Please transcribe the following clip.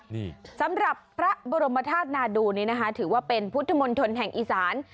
นี่สำหรับพระบรมธาตุนาดูนี่นะคะถือว่าเป็นพุทธมนตรแห่งอีสาน